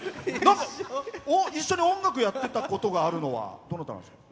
一緒に音楽やってたことがあるのはどなたなんですか？